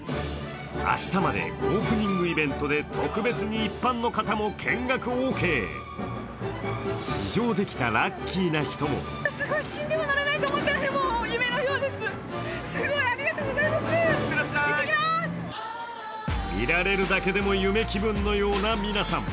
明日までオープニングイベントで特別に一般の方も見学オーケー、試乗できたラッキーな人も見られるだけでも夢気分のような皆さん。